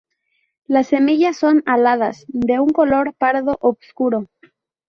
Las semillas son aladas, de un color pardo obscuro.